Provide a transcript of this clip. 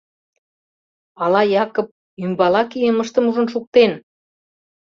Ала Якып ӱмбала кийымыштым ужын шуктен?